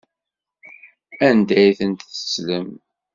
Anda ay ten-tettlem?